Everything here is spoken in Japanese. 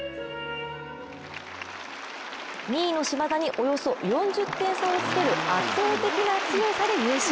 ２位の島田におよそ４０点差をつける圧倒的な強さで優勝。